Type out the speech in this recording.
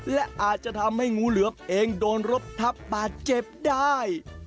และอาจจะทำให้งูเหลือมเองโดนรถทับบาดเจ็บได้